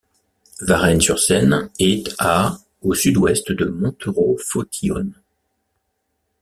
Varennes-sur-Seine est à au sud-ouest de Montereau-Fault-Yonne.